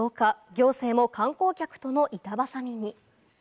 行政も観光客との板挟みに。